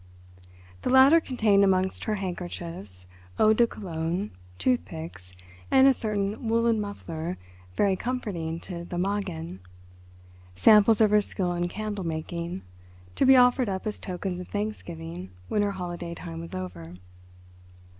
The latter contained amongst her handkerchiefs, eau de Cologne, toothpicks, and a certain woollen muffler very comforting to the "magen," samples of her skill in candle making, to be offered up as tokens of thanksgiving when her holiday time was over.